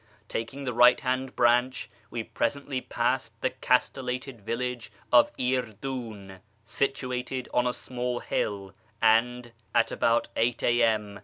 Taking the right hand branch, we presently passed the castellated village of Irdiin, situated on a small hill, and, at about S a.m.